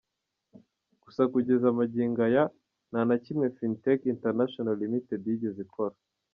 Gusa kugeza magingo aya nta na kimwe FinTech International Limited yigeze ikora.